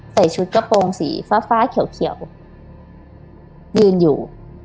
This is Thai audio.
ใส่ชุดกระโปรงสีฟ้าฟ้าเขียวยืนอยู่